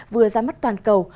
vừa ra mắt toàn cầu